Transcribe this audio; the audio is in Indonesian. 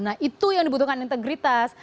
nah itu yang dibutuhkan integritas